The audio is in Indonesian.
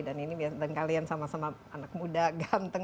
dan ini kalian sama sama anak muda ganteng